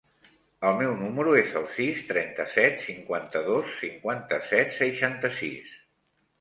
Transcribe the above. El meu número es el sis, trenta-set, cinquanta-dos, cinquanta-set, seixanta-sis.